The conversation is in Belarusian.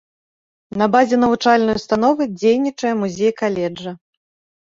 На базе навучальнай установы дзейнічае музей каледжа.